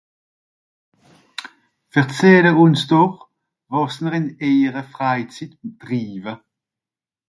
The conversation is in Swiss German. Verzehle ùns doch, wàs-n-r ìn èire Freizitt triiwe.